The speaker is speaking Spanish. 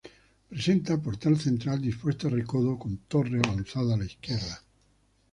Presenta portal central dispuesto en recodo con torre avanzada a la izquierda.